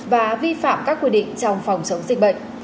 và vi phạm các quy định trong phòng chống dịch bệnh